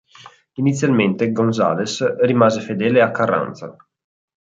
Inizialmente González rimase fedele a Carranza.